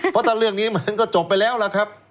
เพราะถ้าเรื่องนี้มันก็จบไปแล้วล่ะครับ